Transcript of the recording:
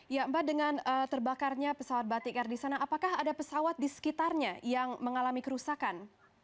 ya mbak dengan terbakarnya pesawat batik air di sana apakah ada pesawat di sekitarnya yang mengalami kerusakan